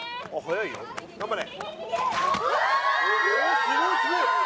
おおすごいすごい！